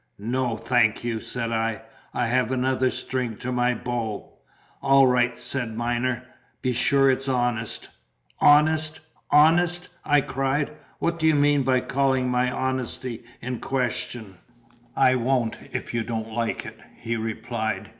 "No, thank you," said I; "I have another string to my bow." "All right," says Myner. "Be sure it's honest." "Honest? honest?" I cried. "What do you mean by calling my honesty in question?" "I won't, if you don't like it," he replied.